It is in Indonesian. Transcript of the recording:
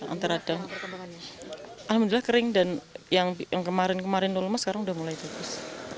antara ada alhamdulillah kering dan yang kemarin kemarin leluma sekarang udah mulai bagus